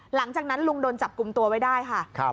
หลังจากนั้นลุงโดนจับกลุ่มตัวไว้ได้ค่ะ